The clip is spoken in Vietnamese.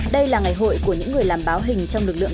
đây là ngày hội của những người làm báo hình trong lực lượng